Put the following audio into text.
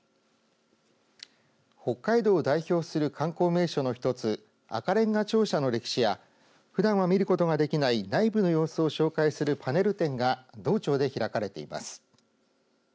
北海道を代表する観光名所の１つ赤れんが庁舎の歴史やふだんは見ることができない内部の様子を紹介するパネル展が道庁で開かれています。